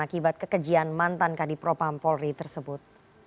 akibat kekejian mantan kadipropa ampolri tersebut